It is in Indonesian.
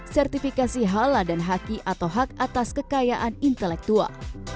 sertifikasi halal dan haki atau hak atas kekayaan intelektual